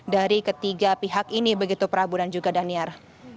dari ketiga pihak ini begitu peraburan juga daniar